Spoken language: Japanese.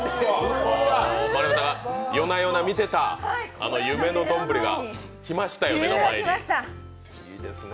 夜な夜な見ていた、あの夢の丼が来ましたよ、目の前に。